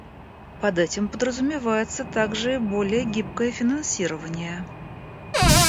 Под этим подразумевается также и более гибкое финансирование.